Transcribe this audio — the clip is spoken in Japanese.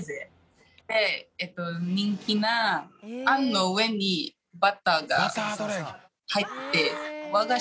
あんの上にバターが入って。